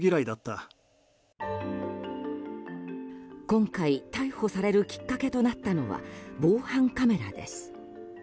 今回、逮捕されるきっかけとなったのは、防犯カメラです。